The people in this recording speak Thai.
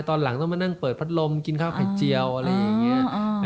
ตอนหลังต้องมานั่งเปิดพัดลมกินข้าวไข่เจียวอะไรอย่างนี้